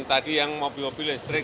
tadi yang mobil mobil listrik